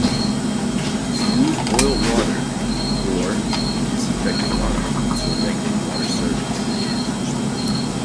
Use boiled water, or disinfected water until regular water service is restored.